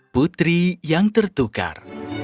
putri yang tertukar